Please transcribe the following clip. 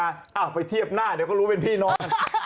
อ้าวไปเทียบหน้าเดี๋ยวก็รู้เป็นพี่น้องกัน